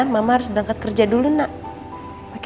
mama harus berangkat kerja dulu nak